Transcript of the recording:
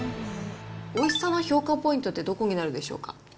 おいしさの評価ポイントってどこになるでしょうか。